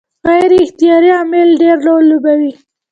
غیر اختیاري عوامل ډېر رول لوبوي.